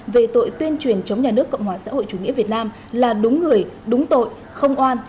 về tội tuyên truyền chống nhà nước cộng hòa xã hội chủ nghĩa việt nam là đúng người đúng tội không oan